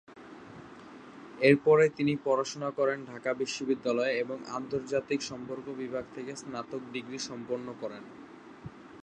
এরপরে তিনি পড়াশোনা করেন ঢাকা বিশ্ববিদ্যালয়ে এবং আন্তর্জাতিক সম্পর্ক বিভাগ থেকে স্নাতক ডিগ্রী সম্পন্ন করেন।